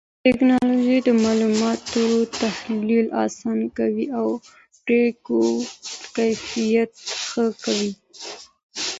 ټکنالوژي د معلوماتو تحليل آسانه کوي او پرېکړو کيفيت ښه کوي.